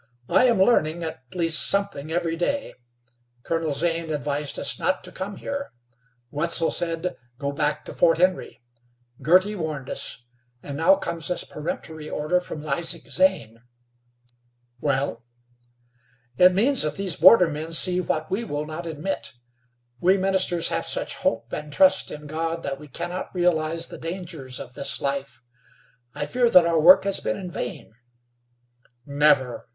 I am learning, at least something every day. Colonel Zane advised us not to come here. Wetzel said, 'Go back to Fort Henry.' Girty warned us, and now comes this peremptory order from Isaac Zane." "Well?" "It means that these border men see what we will not admit. We ministers have such hope and trust in God that we can not realize the dangers of this life. I fear that our work has been in vain." "Never.